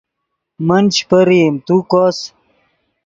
من چے پرئیم تو کوس